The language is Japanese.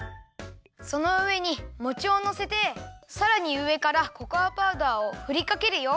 そのうえにもちをのせてさらにうえからココアパウダーをふりかけるよ！